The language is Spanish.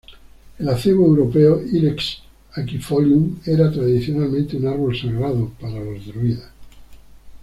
El acebo europeo, "Ilex aquifolium" era tradicionalmente un árbol sagrado para los druidas.